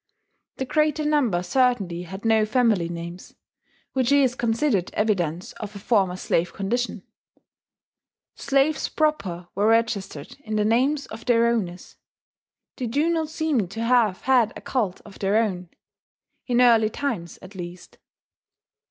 The greater number certainly had no family names, which is considered evidence of a former slave condition. Slaves proper were registered in the names of their owners: they do not seem to have had a cult of their own, in early times, at least.